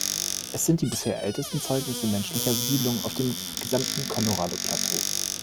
Es sind die bisher ältesten Zeugnisse menschlicher Besiedlung auf dem gesamten Colorado-Plateau.